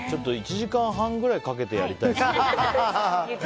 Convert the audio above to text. １時間半くらいかけてやりたいですね。